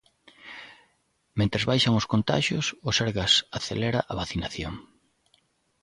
Mentres baixan os contaxios, o Sergas acelera a vacinación.